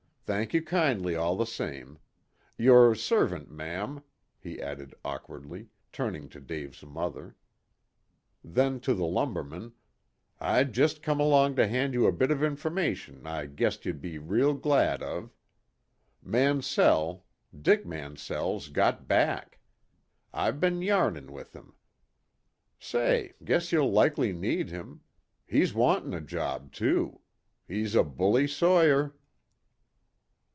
"Thank you kindly all the same. Your servant, mam," he added awkwardly, turning to Dave's mother. Then to the lumberman, "I jest come along to hand you a bit of information I guessed you'd be real glad of. Mansell Dick Mansell's got back! I've been yarnin' with him. Say, guess you'll likely need him. He's wantin' a job too. He's a bully sawyer."